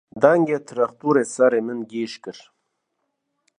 Dengê trextorê serê min gêj kir.